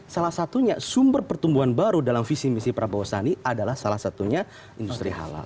salah satunya sumber pertumbuhan baru dalam visi misi prabowo sandi adalah salah satunya industri halal